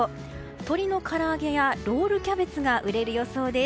鶏のから揚げやロールキャベツが売れる予想です。